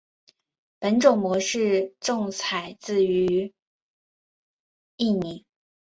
本种模式种采自于印尼。